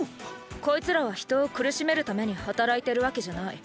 こいつらは人を苦しめるために働いてるわけじゃない。